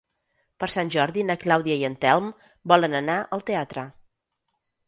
Per Sant Jordi na Clàudia i en Telm volen anar al teatre.